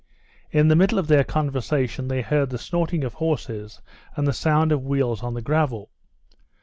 In the middle of their conversation they heard the snorting of horses and the sound of wheels on the gravel.